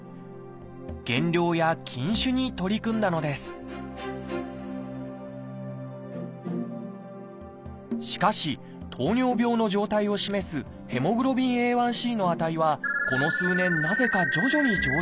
減量や禁酒に取り組んだのですしかし糖尿病の状態を示すＨｂＡ１ｃの値はこの数年なぜか徐々に上昇。